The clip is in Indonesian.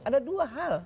ada dua hal